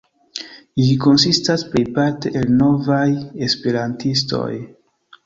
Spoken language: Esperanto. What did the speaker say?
Ĝi konsistas plejparte el novaj esperantistoj.